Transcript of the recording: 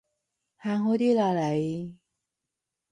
行開啲啦你